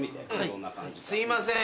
すいません。